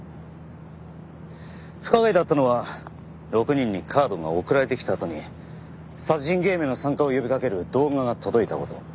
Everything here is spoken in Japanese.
不可解だったのは６人にカードが送られてきたあとに殺人ゲームへの参加を呼びかける動画が届いた事。